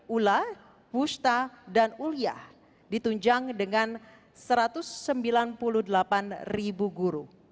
ula wusta dan ulyah ditunjang dengan satu ratus sembilan puluh delapan ribu guru